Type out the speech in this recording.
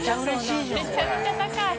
めちゃめちゃ高い！